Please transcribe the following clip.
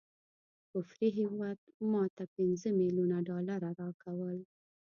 کفري هیواد ماته پنځه ملیونه ډالره راکول.